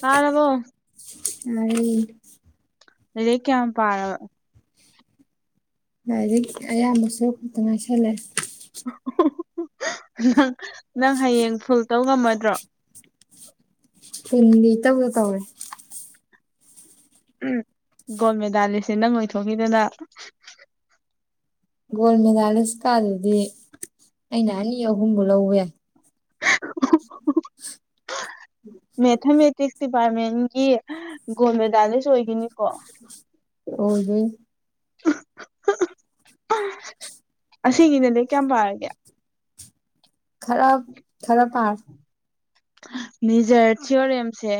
ꯇꯔꯕꯣ ꯑ ꯂꯥꯏꯔꯤꯛ ꯀꯌꯥꯝ ꯄꯥꯔꯕ ꯂꯥꯏꯔꯤꯛ ꯑꯌꯥꯝꯕꯁꯨ ꯈꯛꯇ ꯉꯥꯏꯁꯜꯂꯦ ꯅꯪ ꯅꯪ ꯍꯌꯦꯡ ꯐꯨꯜ ꯇꯧ ꯉꯝꯃꯗ꯭ꯔꯣ ꯊꯗꯤ ꯇꯧꯗ ꯇꯧꯦ ꯎꯝ ꯒꯣꯜ ꯃꯦꯗꯥꯂꯤꯁꯁꯦ ꯅꯪ ꯑꯣꯏꯊꯣꯛꯈꯤꯗꯅ ꯒꯣꯜ ꯃꯦꯗꯥꯂꯤꯁꯀꯗꯨꯗꯤ ꯑꯩꯅ ꯑꯅꯤ ꯑꯍꯨꯝꯕꯨ ꯂꯧꯧꯕ ꯌꯥꯏ [inaudible] ꯍ [unintelligible] ꯃꯦꯊꯥꯃꯦꯇꯤꯛꯁ ꯗꯤꯄꯥꯔꯠꯃꯦꯟꯒꯤ ꯒꯣꯟ ꯃꯦꯗꯥꯂꯤꯁ ꯑꯣꯏꯒꯅꯤꯀꯣ ꯑꯣꯏ ꯗꯣꯏꯅꯦ ꯑꯁꯤꯅꯅꯦ ꯀꯌꯥꯝ ꯄꯥꯔꯒꯦ ꯈꯔ ꯈꯔ ꯄꯥꯔ ꯅꯤꯖꯔ ꯊꯤꯌꯣꯔꯦꯝꯁꯦ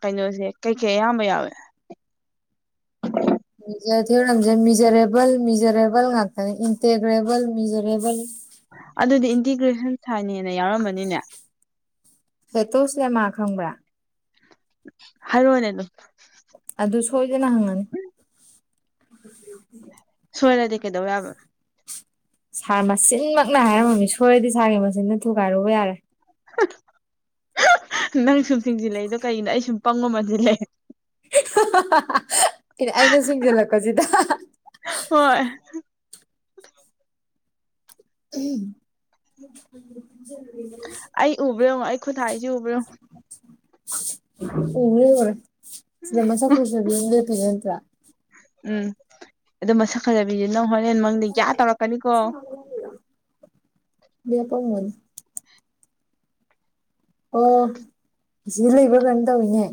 ꯀꯩꯅꯣꯁꯦ ꯀꯩ ꯀꯩ ꯑꯌꯥꯝꯕ ꯌꯥꯎꯋꯦ ꯊꯖ ꯃꯤꯖꯔꯦꯕꯜ ꯃꯤꯖꯔꯦꯕꯜ ꯉꯥꯛꯇꯅꯦ ꯏꯟꯇꯦꯒ꯭ꯔꯦꯕꯜ ꯃꯤꯖꯔꯦꯕꯜ ꯑꯗꯨꯗꯤ ꯏꯟꯇꯤꯒ꯭ꯔꯦꯁꯟ ꯁꯥꯏꯅꯦꯅ ꯌꯥꯎꯔꯝꯕꯅꯤꯅꯦ ꯍꯦꯛꯇꯣꯁꯦ ꯃꯥ ꯈꯪꯕ꯭ꯔꯥ ꯍꯥꯏꯔꯣꯅꯦ ꯑꯗꯨꯝ ꯑꯗꯨ ꯁꯣꯏꯗꯅ ꯍꯪꯉꯅꯤ ꯎ ꯁꯣꯏꯔꯗꯤ ꯀꯩꯗꯧꯋ ꯌꯥꯕ ꯁꯥꯔ ꯃꯆꯤꯟꯃꯛꯅ ꯍꯥꯏꯔꯝꯃꯃꯤ ꯁꯣꯏꯔꯗꯤ ꯁꯥꯔꯒꯤ ꯃꯆꯤꯟꯗ ꯊꯨꯒꯥꯏꯔꯨꯕ ꯌꯥꯔꯦ ꯅꯪ ꯁꯨꯝ ꯆꯤꯡꯁꯤꯜꯂꯛꯏꯗꯣ ꯀꯅꯣ ꯑꯩ ꯁꯨꯝ ꯄꯪ ꯃꯃꯜꯁꯤꯜꯂꯛꯑꯦ ꯀ ꯑꯩꯅ ꯁꯤꯡꯁꯤꯜꯂꯛꯄꯁꯤꯗ ꯍꯣꯏ ꯎꯝ ꯆꯔꯤ ꯑꯩ ꯎꯕ꯭ꯔꯣ ꯑꯩ ꯈꯨꯠ ꯍꯥꯏꯔꯤꯁꯦ ꯎꯕ꯭ꯔꯣ꫰ꯌꯦꯡꯉꯣ ꯎꯡꯂ ꯑꯣꯏ ꯁꯅꯦꯃ ꯆ ꯐꯁꯗꯤ ꯏꯇꯤꯆꯥ ꯎꯝ ꯑꯗꯨ ꯃꯁꯛ ꯈꯖꯕꯤꯁ ꯅꯪ ꯍꯣꯔꯦꯟ ꯃꯪꯗꯤ ꯌꯥꯌꯥ ꯇꯧꯔꯛꯀꯅꯤꯀꯣ ꯄꯃꯣꯟ ꯑꯣ ꯁꯤ ꯂꯩꯕ ꯀꯩꯅꯣ ꯇꯧꯋꯅꯦ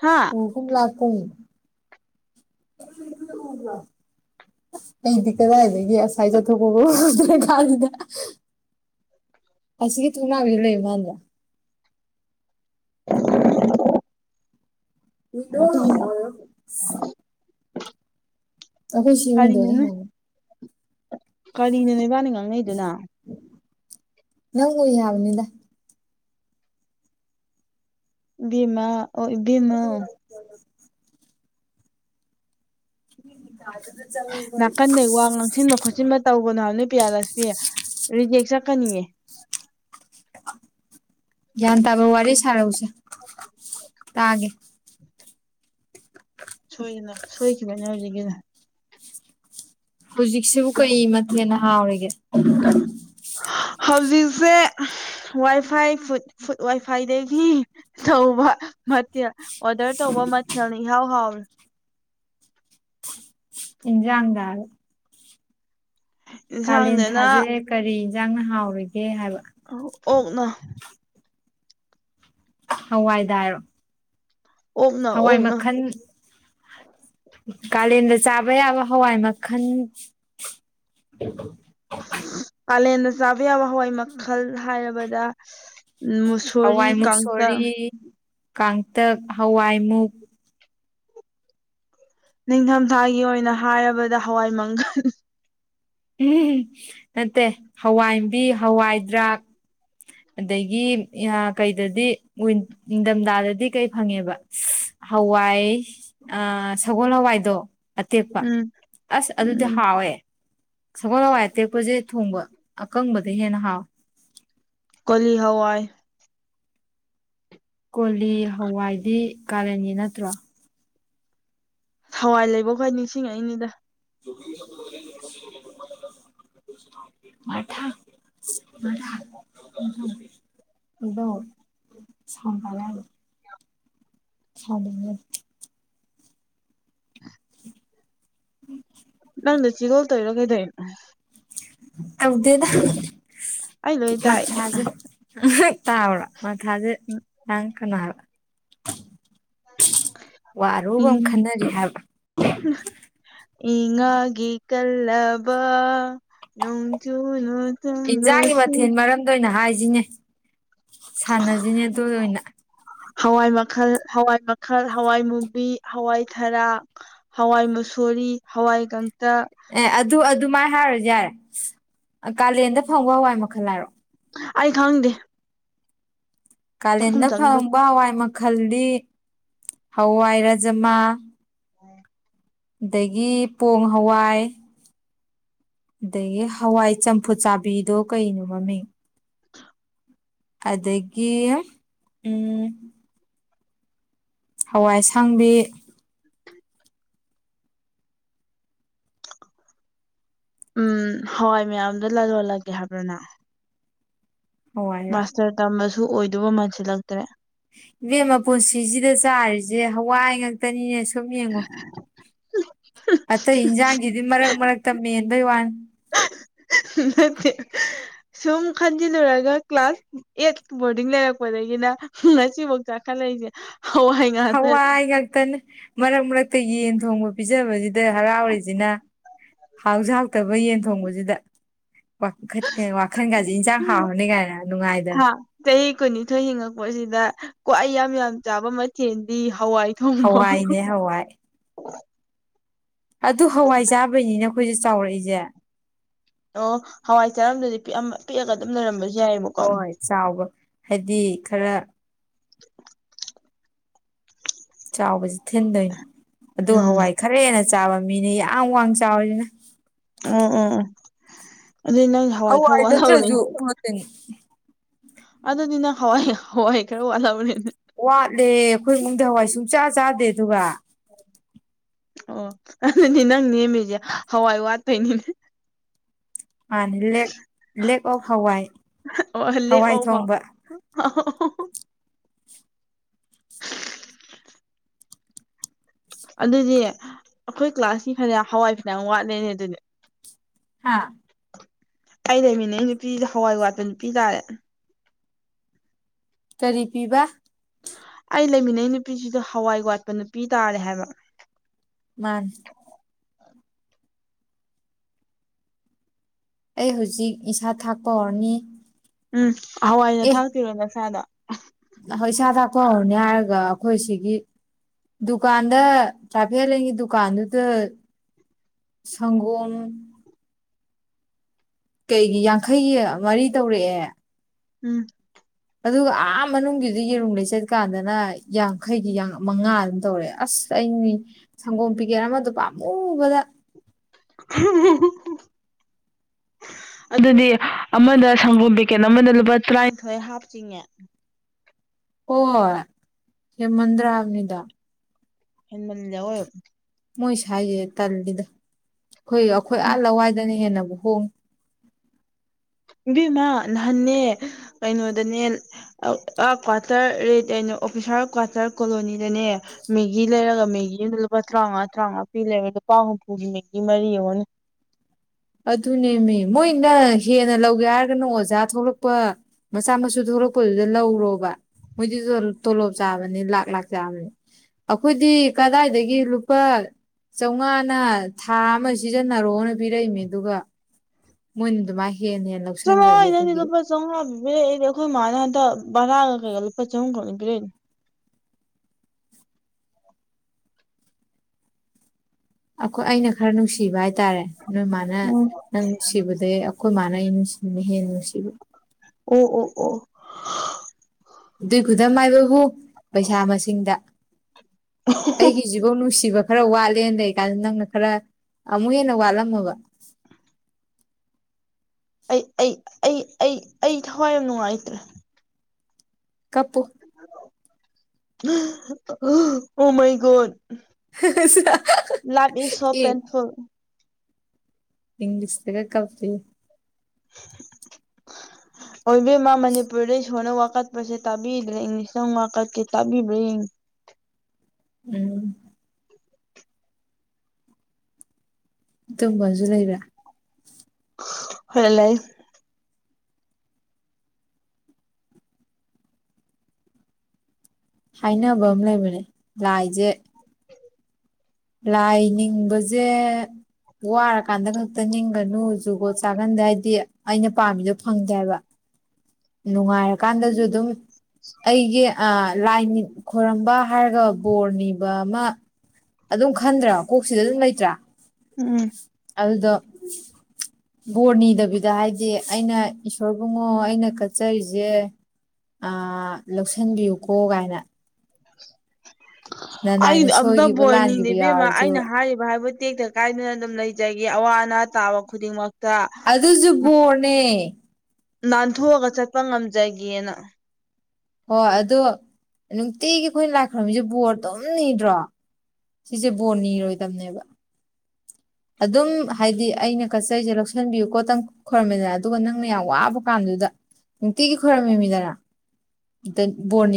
ꯍꯥ ꯑꯣ ꯀꯨꯝ ꯂꯥꯛꯀꯨꯝ ꯑꯩꯗꯤ ꯀꯗꯥꯏꯗꯒꯤ ꯉꯁꯥꯏ ꯆꯠꯊꯣꯛꯄ ꯀꯜꯂꯤꯗ ꯑꯁꯤꯒꯤ ꯊꯣꯡꯅꯧꯗ ꯂꯩꯕꯥꯃꯟꯕ [inaudible] ꯋꯤꯗꯣꯌꯥꯃꯣꯏꯌꯣ ꯏꯁ ꯑꯩꯈꯣꯏ ꯁꯤ ꯋꯤꯟꯗꯣꯁꯦ ꯀꯔꯤꯅꯣꯅꯦ ꯍꯥꯡꯉꯦ ꯀꯔꯤꯅꯣꯅꯣꯏ ꯏꯕꯥꯅꯤ ꯉꯥꯡꯅꯩꯗꯨꯅ ꯅꯪꯕꯨ ꯌꯥꯡꯕꯅꯤꯗ ꯚꯃꯥ ꯑꯣ ꯏꯕꯦꯝꯃ [unintelligible] [unintelligible] ꯕꯣꯅꯥꯂꯦꯞꯄ ꯌꯥꯗꯁꯤꯃꯤ ꯔꯤꯀꯅꯦꯛꯁꯟ ꯐꯪꯅꯤꯡꯉꯦ ꯒꯦꯟ ꯇꯕ ꯋꯥꯔꯤ ꯁꯔꯛꯑꯣ ꯁꯦꯇꯥꯒꯦ ꯁꯣꯏꯒꯅ ꯁꯣꯏꯈꯤꯕ ꯌꯥꯍꯧꯒꯅ ꯍꯧꯖꯤꯛꯁꯤꯕꯨ ꯀꯩꯃꯊꯦꯟꯅ ꯍꯥꯎꯔꯤꯒꯦ ꯍꯧꯖꯤꯛꯁꯦ ꯋꯥꯏꯐꯥꯏ ꯐꯨꯨꯋꯥꯏꯐꯥꯏꯗꯒꯤ ꯆꯧꯕ ꯃꯊꯦꯜ ꯑꯣꯗꯔ ꯇꯧꯕ ꯃꯊꯦꯜꯅ ꯏꯍꯥꯎ ꯍꯥꯎꯔꯦ ꯏꯟꯖꯥꯡꯒ ꯀꯥꯂꯦꯟ ꯊꯥꯖꯦ ꯏꯟꯁꯥꯡꯗꯅ ꯀꯔꯤ ꯌꯦꯟꯖꯥꯡꯅ ꯍꯥꯎꯔꯒꯦ ꯍꯥꯏꯕ ꯑꯣꯛꯅ ꯍ꯭ꯋꯥꯏꯗ ꯍꯥꯏꯔꯣ ꯑꯣꯛꯅ ꯍꯋꯥꯏ ꯑꯣꯛꯅ ꯃꯈꯟ ꯀꯥꯂꯦꯟꯗ ꯆꯥꯕ ꯌꯥꯕ ꯍꯋꯥꯏ ꯃꯈꯟ ꯀꯥꯂꯦꯟꯗ ꯆꯥꯕ ꯌꯥꯕ ꯍꯋꯥꯏ ꯃꯈꯜ ꯍꯥꯏꯔꯕꯗ ꯅꯣꯁꯨꯔꯤ ꯍꯋꯥꯏ ꯀꯥꯡꯇ ꯃꯨꯛꯁꯣꯔꯤ ꯀꯥꯡꯇꯛ ꯍꯋꯥꯏꯃꯨꯛ ꯅꯤꯡꯊꯝꯊꯥꯒꯤ ꯑꯣꯏꯅ ꯍꯥꯏꯔꯕꯗ ꯍꯋꯥꯏ ꯃꯪꯒꯟ ꯎꯝ ꯅꯠꯇꯦ ꯍꯋꯥꯏꯕꯤ ꯍꯋꯥꯏꯗꯔꯥꯛ ꯑꯗꯩꯩꯒꯤ ꯀꯩꯗꯗꯤ ꯅꯤꯡꯊꯝꯊꯥꯗꯗꯤ ꯀꯩ ꯐꯪꯉꯦꯕ ꯍꯋꯥꯏ ꯑ ꯁꯒꯣꯜ ꯍꯋꯥꯏꯗꯣ ꯑꯇꯦꯛꯄ ꯎꯝ ꯑꯁ ꯑꯗꯨꯗꯤ ꯎꯝ ꯍꯥꯎꯋꯦ ꯁꯒꯣꯜ ꯍꯋꯥꯏ ꯑꯇꯦꯛꯄꯁꯦ ꯊꯣꯡꯕ ꯑꯀꯪꯕꯗ ꯍꯦꯟꯅ ꯍꯥꯎꯋꯦ ꯀꯣꯂꯤ ꯍꯋꯥꯏ ꯀꯣꯂꯤ ꯍꯋꯥꯏꯗꯤ ꯀꯥꯂꯦꯟꯒꯤ ꯅꯠꯇ꯭ꯔꯣ ꯍꯋꯥꯏ ꯂꯩꯕ ꯈ꯭ꯣꯏ ꯅꯤꯡꯁꯤꯡꯉꯛꯏꯅꯤꯗ [inaudible] ꯃꯊꯛꯃꯔꯥꯪ ꯑꯗꯨ ꯁꯝꯕꯅꯦ ꯑꯗꯨ ꯁꯧꯅꯤꯡꯉꯦ꯫ [inaudible] ꯅꯪꯅ ꯆꯤꯒꯨꯜ ꯇꯧꯔꯤꯔꯥꯀꯩꯗꯧꯏꯅꯣ ꯍꯧꯗꯦꯗ ꯑꯩ ꯂꯣꯏ ꯇꯥꯏ ꯃꯁꯁꯦ ꯇꯕ꯭ꯔ ꯃꯊꯁꯦ ꯅꯥꯡꯀꯟꯅ ꯋꯥꯔꯨꯕ ꯏꯪ ꯑꯃ ꯈꯟꯅꯔꯤ ꯍꯥꯏꯕ [inaudible] ꯏꯉꯥꯒꯤ ꯀꯜꯂꯕ ꯅꯣꯡꯖꯨꯅꯨ ꯏꯟꯖꯥꯡꯒꯤ ꯃꯊꯦꯜ ꯃꯔꯝꯗ ꯑꯣꯏꯅ ꯍꯥꯏꯁꯤꯅꯦ ꯁꯥꯟꯅꯁꯤꯅꯦ ꯑꯗꯨ ꯑꯣꯏꯅ ꯍꯋꯥꯏ ꯃꯈꯜ ꯍꯋꯥꯏ ꯃꯈꯜ ꯍꯋꯥꯏ ꯃꯨꯕꯤ ꯍꯋꯥꯏ ꯊꯔꯥꯛ ꯍꯋꯥꯏ ꯃꯁꯣꯔꯤ ꯍꯋꯥꯏꯀꯪꯇ ꯑꯦ ꯑꯗꯨ ꯑꯗꯨꯃꯥꯏꯅ ꯍꯥꯏꯔꯁꯨ ꯌꯥꯔꯦ ꯀꯥꯂꯦꯟꯗ ꯐꯪꯕ ꯍꯋꯥꯏ ꯃꯈꯜ ꯍꯥꯏꯔꯣ ꯑꯩ ꯈꯪꯗꯦ ꯆꯥꯛꯈꯨꯝ ꯀꯥꯂꯦꯟꯗ ꯆꯪꯗ ꯐꯪꯕ ꯍꯋꯥꯏ ꯃꯈꯜꯗꯤ ꯍꯋꯥꯏ ꯔꯥꯖꯃꯥ ꯎꯝ ꯑꯗꯒꯤ ꯄꯣꯡ ꯍꯋꯥꯏ ꯑꯗꯒꯤ ꯍꯋꯥꯏ ꯆꯝꯐꯨꯠ ꯆꯥꯕꯤꯗꯣ ꯀꯩꯅꯣ ꯃꯃꯤꯡ ꯑꯗꯒꯤ ꯎꯝ ꯍꯋꯥꯏ ꯑꯁꯥꯡꯕꯤ ꯎꯝ ꯍꯋꯥꯏ ꯃꯌꯥꯝꯗꯣ ꯂꯥꯂꯣꯂꯒꯦ ꯍꯥꯏꯕ꯭ꯔꯣ ꯅꯪ ꯍꯋꯥꯏꯔ ꯃꯥꯁꯇꯔ ꯇꯝꯕꯁꯨ ꯑꯣꯏꯗꯨꯕ ꯃꯥꯟꯁꯤꯜꯂꯛꯇ꯭ꯔꯦ ꯏꯕꯦꯝꯃ ꯄꯨꯟꯁꯤꯁꯤꯗ ꯆꯥꯔꯤꯁꯦ ꯍꯋꯥꯏ ꯉꯥꯛꯇꯅꯤꯅꯦ ꯁꯨꯝ ꯌꯦꯡꯉꯣ ꯑꯇꯩ ꯏꯟꯖꯥꯡꯒꯤꯗꯤ ꯃꯔꯛ ꯃꯔꯛꯇ ꯃꯦꯟꯕꯩ ꯋꯥꯅꯤ ꯅꯠꯇꯦ ꯁꯨꯝ ꯈꯟꯖꯤꯜꯂꯨꯔꯒ ꯀ꯭ꯂꯥꯁ ꯑꯦꯠ ꯕꯣꯔꯗꯤꯡ ꯂꯩꯔꯛꯄꯗꯒꯤꯅ ꯉꯁꯤꯐꯥꯎ ꯆꯥꯈꯠꯂꯛꯏꯁꯦ ꯍꯋꯥꯏ ꯉꯥꯛꯇꯅꯦ ꯍꯋꯥꯏ ꯉꯥꯛꯇꯅꯦ ꯃꯔꯛ ꯃꯔꯛꯇ ꯌꯦꯟ ꯊꯣꯡꯕ ꯄꯤꯖꯥꯕꯁꯤꯗ ꯍꯔꯥꯎꯔꯤꯁꯤꯅ ꯍꯥꯎꯁꯨ ꯍꯥꯎꯇꯕ ꯌꯦꯟ ꯊꯣꯡꯕꯁꯤꯗ ꯋꯈꯟꯒꯥꯁꯦ ꯏꯟꯁꯥꯡ ꯍꯥꯎꯔꯅꯤ ꯀꯥꯏꯅ ꯅꯨꯡꯉꯥꯏꯗꯅ ꯍꯥ ꯆꯍꯤ ꯀꯨꯟꯅꯤꯊꯣꯏ ꯍꯤꯡꯉꯛꯄꯁꯤꯗ ꯈ꯭ꯋꯥꯏ ꯏꯌꯥꯝ ꯌꯥꯝ ꯆꯥꯕ ꯃꯊꯦꯜꯗꯤ ꯍꯋꯥꯏ ꯊꯣꯡꯕ ꯍꯋꯥꯏꯅꯦ ꯍꯋꯥꯏ ꯑꯗꯨ ꯍꯋꯥꯏ ꯆꯥꯕꯩꯅꯤꯅꯦ ꯑꯩꯈꯣꯏꯁꯦ ꯆꯥꯎꯔꯛꯏꯁꯦ ꯑꯣ ꯍꯋꯥꯏ ꯆꯥꯔꯝꯗ꯭ꯔꯗꯤ ꯄ ꯄꯤꯛꯑꯒ ꯑꯗꯨꯝ ꯂꯩꯔꯝꯕꯁꯨ ꯌꯥꯏꯌꯦꯕꯀꯣ ꯇꯥꯎꯒ ꯍꯥꯏꯗꯤ ꯈꯔ ꯆꯥꯎꯕꯁꯦ ꯊꯤꯟꯗꯣꯏꯅꯦ ꯑꯗꯨ ꯎꯝ ꯍꯋꯥꯏ ꯈꯔ ꯍꯦꯟꯅ ꯆꯥꯕ ꯃꯤꯅꯦ ꯌꯥꯝ ꯋꯥꯡ ꯆꯥꯎꯔꯤꯁꯤꯅ ꯑꯣ ꯑꯣ ꯑꯗꯨꯗ ꯅꯪ ꯍꯋꯥꯏ ꯈꯔ ꯍꯧꯋꯥꯏ ꯅꯠꯇ꯭ꯔꯁꯨ ꯋꯥꯠꯍꯧꯔꯦꯅꯦ ꯑꯗꯨꯗꯤꯅ ꯍꯋꯥꯏ ꯍꯋꯥꯏ ꯈꯥꯔ ꯋꯥꯜꯂꯛꯎꯅꯦ ꯋꯥꯠꯂꯦ ꯑꯩꯈꯣꯏ ꯏꯃꯨꯡꯗ ꯍꯋꯥꯏ ꯁꯨꯡ ꯆꯥ ꯆꯥꯗꯦ ꯑꯗꯨꯒ [unintelligible] ꯑꯣ ꯑꯗꯨꯗꯤ ꯅꯪ ꯅꯦꯝꯃꯤꯁꯦ ꯍꯋꯥꯏ ꯋꯥꯠꯄꯩꯅꯤꯅꯦ ꯃꯥꯅꯦ ꯂꯦꯛ ꯂꯦꯛ ꯑꯣꯐ ꯍꯋꯥꯏ ꯍꯋꯥꯏ ꯊꯣꯡꯕ ꯍ ꯑꯗꯨꯗꯤ ꯑꯩꯈꯣꯏ ꯀ꯭ꯂꯥꯁꯀꯤ ꯐꯅꯌꯥꯝ ꯍꯋꯥꯏ ꯐꯅꯌꯥꯝ ꯋꯥꯠꯂꯦꯅꯦ ꯑꯗꯨꯗꯤ ꯍꯥꯥ ꯑꯩ ꯂꯩꯃꯤꯟꯅꯩ ꯅꯨꯄꯤꯗꯤ ꯍꯋꯥꯏ ꯋꯥꯠꯄ ꯅꯨꯄꯤ ꯇꯥꯔꯦ ꯀꯔꯤ ꯄꯤꯕ ꯑꯩ ꯂꯩꯃꯤꯟꯅꯩ ꯅꯨꯄꯤꯁꯤꯁꯨ ꯍꯋꯥꯏ ꯋꯥꯠꯄ ꯅꯨꯄꯤ ꯇꯥꯔꯦ ꯍꯥꯏꯕ ꯃꯥꯅꯦ ꯑꯩ ꯍꯧꯖꯤꯛ ꯏꯁꯥ ꯊꯥꯛꯄ ꯍꯧꯔꯅꯤ ꯎꯝ ꯍꯋꯥꯏꯅ ꯑꯦ ꯊꯥꯛꯇꯤꯔꯣ ꯅꯁꯥꯗ ꯏꯁꯥ ꯊꯥꯛꯄ ꯍꯧꯔꯅꯤ ꯍꯥꯏꯔꯒ ꯑꯩꯈꯣꯏ ꯁꯤꯒꯤ ꯗꯨꯀꯥꯟꯗ ꯇ꯭ꯔꯥꯐꯤꯛ ꯑꯥꯏꯂꯦꯟꯒꯤ ꯗꯨꯀꯥꯟꯗꯨꯗ ꯁꯪꯒꯣꯝ ꯀꯩꯒꯤ ꯌꯥꯡꯈꯩꯒꯤ ꯃꯥꯔꯤ ꯇꯧꯔꯛꯑꯦ ꯎꯝ ꯑꯗꯨꯒ ꯑꯥ ꯃꯅꯨꯡꯒꯤꯗꯤ ꯌꯦꯔꯨꯝ ꯂꯩꯆꯠꯀꯥꯟꯗꯅ ꯌꯥꯡꯈꯩꯒꯤ ꯃꯉꯥ ꯑꯗꯨꯝ ꯇꯧꯔꯛꯑꯦ ꯑꯁ ꯆꯩꯅꯤ ꯁꯪꯒꯣꯝ ꯄꯤꯒꯦꯠ ꯑꯃꯗꯨ ꯄꯥꯝꯃꯨꯕꯗ [unintelligible] ꯑꯗꯨꯗꯤ ꯑꯃꯗ ꯁꯪꯒꯣꯝ ꯄꯦꯀꯦꯠ ꯑꯃꯗ ꯂꯨꯄꯥ ꯇꯔꯥꯅꯤꯊꯣꯏ ꯍꯥꯞꯐ ꯆꯤꯡꯉꯦ ꯍ ꯍꯣꯏ ꯍꯦ ꯃꯟꯗ꯭ꯔꯥ ꯍꯥꯝꯅꯤꯗ ꯍꯦꯃꯜꯂꯦ ꯑꯋꯣꯏꯕ ꯃꯣꯏ ꯁ꯭ꯋꯥꯏꯖꯦ ꯇꯜꯂꯤꯗ ꯑꯩꯈꯣꯏ ꯑꯩꯈꯣꯏ ꯑꯥ ꯂꯋꯥꯏꯗꯅ ꯍꯦꯟꯅꯕꯨ ꯍꯣꯡꯉꯤ ꯏꯏ ꯏꯃ ꯅꯍꯥꯟꯅꯦ ꯀꯩꯅꯣꯗꯅꯦ ꯀ꯭ꯋꯥꯇꯔꯩꯅ ꯑꯣꯐꯤꯁꯔ ꯀ꯭ꯋꯥꯇꯔ ꯀꯣꯂꯣꯅꯤꯗꯅꯦ ꯃꯦꯒꯤ ꯂꯩꯔꯒ ꯃꯦꯒꯤꯅ ꯂꯨꯄꯥ ꯇꯔꯥꯃꯉꯥ ꯇꯔꯥꯃꯉꯥ ꯄꯤ ꯂꯩꯔꯦ ꯂꯨꯄꯥ ꯍꯨꯝꯐꯨꯒꯤ ꯃꯦꯒꯤ ꯃꯔꯤ ꯑꯣꯅꯦ ꯑꯗꯨꯅꯦꯅꯦ ꯃꯣꯏꯅ ꯍꯦꯟꯅ ꯂꯧꯒꯦ ꯍꯥꯏꯔꯒꯅ ꯑꯣꯖꯥ ꯊꯣꯛꯂꯛꯄ ꯃꯆꯥ ꯃꯁꯨ ꯊꯣꯛꯂꯛꯄꯗꯨꯗ ꯂꯧꯔꯣꯕ ꯃꯣꯏꯗꯨꯁꯨ ꯇꯣꯂꯣꯞ ꯆꯥꯕꯅꯤ ꯂꯥꯛ ꯂꯥꯛ ꯆꯥꯕꯅꯤ ꯑꯩꯈꯣꯏꯗꯤ ꯀꯗꯥꯏꯗꯒꯤ ꯂꯨꯄꯥ ꯆꯥꯝꯃꯉꯥꯅ ꯊꯥ ꯑꯃ ꯁꯤꯖꯤꯟꯅꯔꯣꯅ ꯄꯤꯔꯛꯏꯃꯦ ꯑꯗꯨꯒ ꯃꯣꯏꯅ ꯑꯗꯨꯃꯥꯏ ꯍꯦꯟ ꯍꯦꯜꯂꯒ ꯆꯂꯣ ꯍ ꯏꯅꯤꯗ ꯆꯥꯝꯃꯉꯥ ꯄꯕꯤꯔ ꯑꯩꯗꯤ ꯑꯩꯈꯣꯏ ꯃꯥꯅ ꯍꯟꯗ ꯕꯔꯥꯒ ꯀꯩꯀ ꯂꯨꯄꯥ ꯆꯍꯨꯝꯛꯧ ꯂꯩꯗ꯭ꯔꯦꯅꯦ ꯑꯩꯈꯣꯏ ꯑꯩꯅ ꯈꯔ ꯅꯨꯡꯁꯤꯕ ꯍꯥꯏꯇꯥꯔꯦ ꯅꯣꯏ ꯃꯥꯅ ꯎꯝ ꯅꯪ ꯅꯨꯡꯁꯤꯕꯗꯩ ꯑꯩꯈꯣꯏ ꯃꯥꯟꯅꯩ ꯅꯨꯡꯁꯤꯅ ꯍꯦꯟꯅ ꯅꯨꯡꯁꯤꯕ ꯑꯣ ꯑꯣ ꯑꯣ ꯑꯗꯨꯏ ꯈꯨꯗꯝ ꯍꯥꯏꯕꯕꯨ ꯄꯩꯁꯥ ꯃꯁꯤꯡꯗ ꯑꯩꯒꯤꯁꯤꯕꯧ ꯅꯨꯡꯁꯤ ꯁꯤꯕ ꯈꯔ ꯋꯥꯠꯂꯦꯅ ꯂꯩ ꯀꯥꯟꯗ ꯅꯪꯅ ꯈꯔ ꯑꯃꯨꯛ ꯍꯦꯟꯅ ꯋꯥꯠꯂꯝꯃꯕ ꯑꯩ ꯑꯩ ꯑꯩ ꯑꯩ ꯑꯩ ꯊꯋꯥꯏ ꯌꯥꯝ ꯅꯨꯡꯉꯥꯏꯇ꯭ꯔꯦ ꯀꯞꯄꯨ ꯑꯣ ꯃꯩꯒꯣꯣꯟ ꯂꯥꯥꯛ ꯏꯁ ꯁꯣ ꯑꯦ ꯄꯦꯟꯊꯜ ꯏꯪꯁ ꯇ ꯀ ꯀꯞꯄꯤꯦ [unintelligible] ꯑꯣꯏꯕꯃ ꯃꯅꯤꯄꯨꯔꯗꯩ ꯏꯁꯣꯔꯅ ꯋꯥꯀꯠꯄꯁꯦ ꯇꯥꯕꯤꯗ꯭ꯔꯦ ꯏꯪꯂꯤꯁꯇꯪ ꯋꯥꯀꯠꯀꯦ ꯇꯥꯕꯤꯕ꯭ꯔꯥꯡ ꯎꯝ ꯇꯨꯝꯕꯁꯨ ꯂꯩꯕ꯭ꯔꯥ ꯍ ꯂꯩ ꯍꯥꯏꯅꯕ ꯑꯃ ꯂꯩꯕꯅꯦ ꯂꯥꯏꯁꯦ ꯂꯥꯏ ꯅꯤꯡꯕꯁꯦ ꯋꯥꯔꯀꯥꯟꯗ ꯈꯛꯇ ꯅꯤꯡꯒꯅꯨ ꯨꯒꯣꯠ ꯆꯥꯒꯟꯗ ꯍꯥꯏꯗꯤ ꯑꯩꯅ ꯄꯥꯝꯃꯤꯗꯣ ꯐꯪꯗꯦꯕ ꯅꯨꯡꯉꯥꯏꯔ ꯀꯥꯟꯗꯁꯨ ꯑꯗꯨꯝ ꯑꯩꯒꯤ ꯂꯥꯏꯟ ꯈꯣꯏꯔꯝꯕ ꯍꯥꯏꯔꯒ ꯕꯣꯔꯅꯤ ꯃꯃ ꯑꯗꯨꯝ ꯈꯟꯗ꯭ꯔꯥ ꯀꯣꯛꯁꯤꯗ ꯑꯗꯨꯝ ꯂꯩꯇ꯭ꯔꯥ ꯎꯝ ꯑꯗꯨꯗꯣ ꯕꯣꯔ ꯅꯤꯗꯕꯤꯗ ꯍꯥꯏꯗꯤ ꯑꯩꯅ ꯏꯁꯣꯔ ꯨꯝꯉꯣ ꯑꯩꯅ ꯀꯠꯆꯔꯤꯁꯦ ꯂꯧꯁꯟꯕꯤꯌꯨꯀꯣ ꯀꯥꯏꯅ ꯑꯩ ꯅꯅꯥꯏꯅ ꯑꯝꯇ ꯁꯣꯏꯈꯤꯕ ꯕꯣꯔꯅꯤꯡꯅꯦ ꯂꯥꯟꯈꯤꯕ ꯏꯕꯦꯝꯃ ꯌꯥꯎꯔꯁꯨ ꯑꯩꯅ ꯍꯥꯏꯔꯤꯕ ꯍꯥꯏꯕꯗꯤ ꯇꯦꯛꯇ ꯀꯥꯏꯗꯅ ꯑꯗꯨꯝ ꯂꯩꯖꯒ ꯑꯋꯥ ꯑꯅꯥ ꯇꯥꯕ ꯈꯨꯗꯤꯡꯃꯛꯇ ꯑꯗꯨꯁꯨꯕꯣꯅꯦ ꯅꯥꯟꯊꯣꯛꯑꯒ ꯆꯠꯄ ꯉꯝꯖꯒꯦꯅ ꯍꯣꯏ ꯑꯗꯨꯗꯣ ꯅꯨꯡꯇꯤꯒꯤ ꯑꯩꯈꯣꯏꯅ ꯂꯥꯛꯈ꯭ꯔꯝꯃꯤꯁꯦ ꯕꯣꯔꯗꯝ ꯅꯤꯗ꯭ꯔꯣ ꯁꯤꯁꯦ ꯕꯣꯔ ꯅꯤꯔꯣꯏꯗꯕꯅꯦꯕ ꯑꯗꯨꯝ ꯍꯥꯏꯗꯤ ꯑꯩꯅ ꯀꯆꯔꯤꯁꯦ ꯂꯧꯁꯟꯕꯤꯌꯨꯀꯣ ꯇꯪ ꯈꯣꯏꯔꯝꯃꯤꯗꯅ ꯑꯗꯨꯒ ꯅꯪꯅ ꯌꯥꯝ ꯋꯥꯕ ꯀꯥꯟꯗꯨꯗ ꯅꯨꯡꯇꯤꯒꯤ ꯈꯣꯏꯔꯝꯃꯤꯃꯤꯗꯅ ꯕꯣꯅꯤ